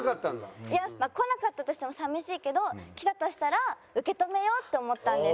こなかったとしても寂しいけどきたとしたら受け止めようって思ったんです。